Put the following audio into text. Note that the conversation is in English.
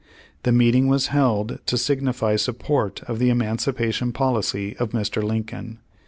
The meeting was held to signify sup port of the emancipation policy of Mr. Lincoln.